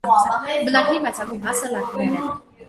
Բնագրի մեծագույն մասը լատիներեն է։